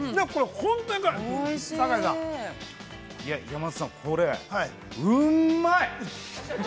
◆山里さん、これ、うんまい！